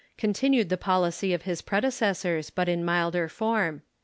continued the policy of his predeces sors, but in milder form.